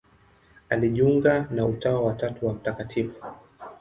Alijiunga na Utawa wa Tatu wa Mt.